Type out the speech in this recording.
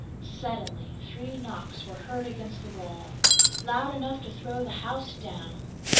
Suddenly, three knocks were heard against the wall, loud enough to throw the house down!